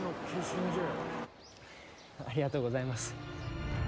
ありがとうございます。